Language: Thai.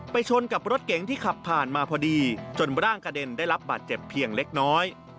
ชนกับรถเก๋งที่ขับผ่านมาพอดีจนร่างกระเด็นได้รับบาดเจ็บเพียงเล็กน้อย